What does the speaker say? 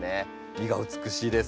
実が美しいです。